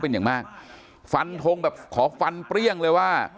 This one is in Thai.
เป็นอย่างมากฟันทงแบบขอฟันเปรี้ยงเลยว่า